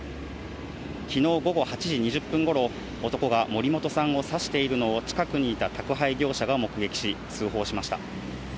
昨日午後８時２０分頃、男が森本さんを刺しているのを近くにいた宅配業者が目撃し、通報しました。